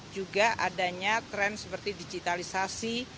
juga adanya tren seperti digitalisasi